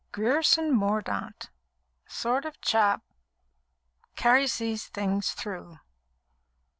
"Grierson Mordaunt ... sort of chap ... carries these things through."